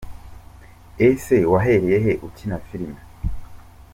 com: ese wahereye he ukina filime?.